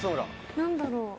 何だろう？